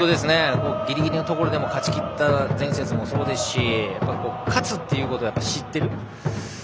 ギリギリのところでも勝ち切った前節もそうですし勝つということを知っている。